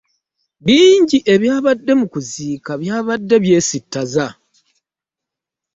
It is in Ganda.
Bingi ebyabadde mu kuziika byabadde byesittaza.